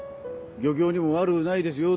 漁協にも悪うないですよ」